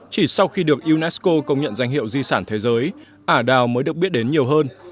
chỉ sau khi được unesco công nhận danh hiệu di sản thế giới ả đào mới được biết đến nhiều hơn